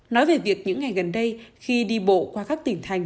nói về việc những ngày gần đây khi đi bộ qua các tỉnh thành